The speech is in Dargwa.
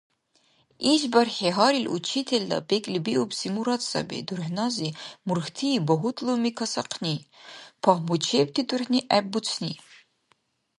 ИшбархӀи гьарил учителла бекӀлибиубси мурад саби дурхӀнази мурхьти багьудлуми касахъни, пагьмучебти дурхӀни гӀеббуцни.